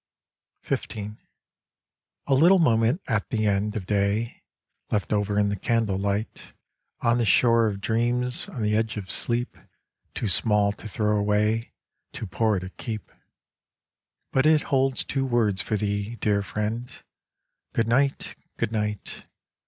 XV A little moment at the end Of day, left over in the candle light On the shore of dreams, on the edge of sleep, Too small to throw away, Too poor to keep! But it holds two words for thee, dear Friend, Good night, Good night!